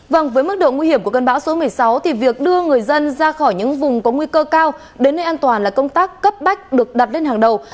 vâng với mức độ nguy hiểm của cơn bão số một mươi sáu thì việc đưa người dân ra khỏi những vùng có nguy cơ cao đến nơi an toàn là công tác cấp bách được đặt lên hàng đầu